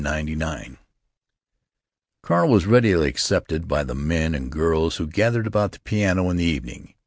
Carl was readily accepted by the men and girls who gathered about the piano in the evening.